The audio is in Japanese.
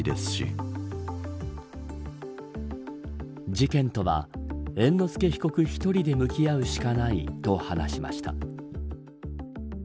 事件とは猿之助被告１人で向き合うしかないと話しました。